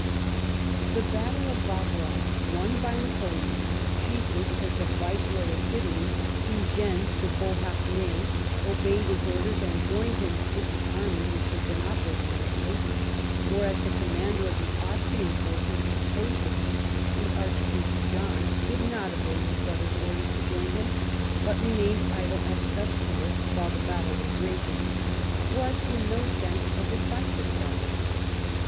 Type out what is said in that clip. The battle of Wagram, won by Napoleon chiefly be cause the Viceroy of Italy, Eugene de Beauharnais, obeyed E 50 LIFE OF PBINCE METTEBNlCn. Iiis orders and joined him with the army which had been operating in Italy, whereas the commander of the Austrian forces opposed to liim, the Archduke John, did not obey his brother's orders to join him, but remained idle at Pressburg while the battle was raging, was, in no sense, a decisive battle.